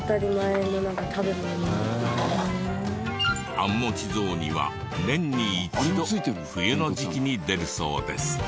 あんもち雑煮は年に一度冬の時期に出るそうです。